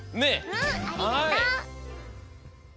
うんありがとう。